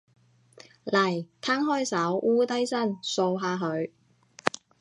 嚟，攤開手，摀低身，掃下佢